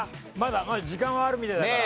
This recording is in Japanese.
まだ時間はあるみたいだから。